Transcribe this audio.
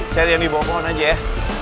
cari yang di bawah pohon aja ya